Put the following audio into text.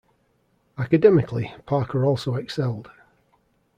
Academically, Parker also excelled.